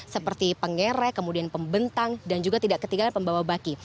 seperti pengerek kemudian pembentang dan juga tidak ketinggalan pembawa baki